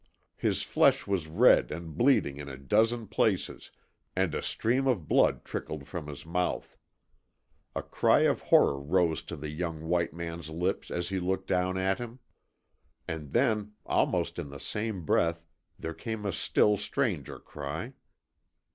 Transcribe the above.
His flesh was red and bleeding in a dozen places, and a stream of blood trickled from his mouth. A cry of horror rose to the young white man's lips as he looked down at him. And then, almost in the same breath, there came a still stranger cry.